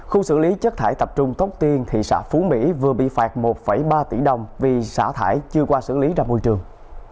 khu xử lý chất thải tập trung tóc tiên thị xã phú mỹ vừa bị phạt một ba tỷ đồng vì xả thải chưa qua xử lý ra môi trường